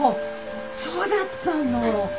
そうだったの。